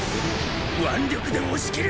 腕力で押し切る！！